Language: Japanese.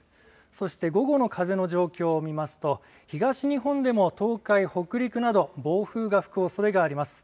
そして午後の風の状況を見ますと東日本でも東海、北陸など暴風が吹くおそれがあります。